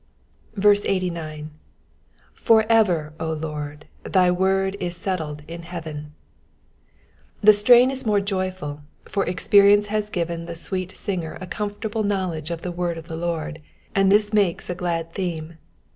89. ^" FoT «w, Lord, thy idord is settled in heaven^ The strain is more joyful, for experience has given the sweet singer a comfortable knowledge of the word of the Lord, and this makes a glad theme.